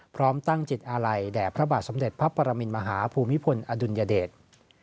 พร้อมตั้งจิตอาลัยแด่พระบาทสมเด็จพระปรมินมหาภูมิพลอดุลยเดช